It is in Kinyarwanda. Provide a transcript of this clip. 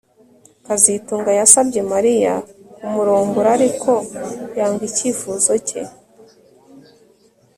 kazitunga yasabye Mariya kumurongora ariko yanga icyifuzo cye